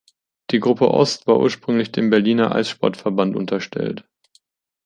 Die Gruppe Ost war ursprünglich dem Berliner Eissport-Verband unterstellt.